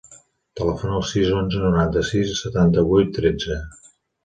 Telefona al sis, onze, noranta-sis, setanta-vuit, tretze.